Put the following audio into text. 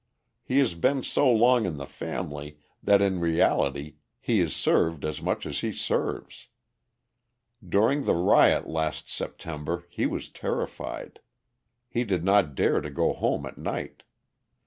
He has been so long in the family that in reality he is served as much as he serves. During the riot last September he was terrified: he did not dare to go home at night.